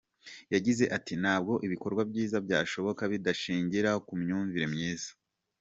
Yagize ati “Ntabwo ibikorwa byiza byashoboka bidashingira ku myumvire myiza.